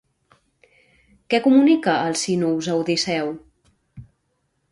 Què comunica Alcínous a Odisseu?